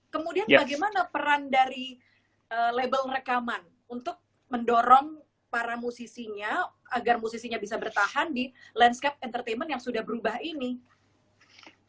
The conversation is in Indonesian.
kemudian bagaimana peran dari label rekaman untuk mendorong para musisinya agar musisinya bisa bertahan di landscape entertainment yang sudah berubah ini